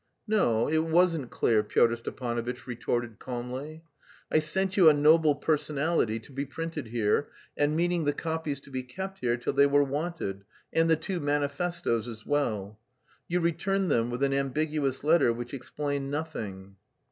"No, it wasn't clear," Pyotr Stepanovitch retorted calmly. "I sent you 'A Noble Personality' to be printed here, and meaning the copies to be kept here till they were wanted; and the two manifestoes as well. You returned them with an ambiguous letter which explained nothing."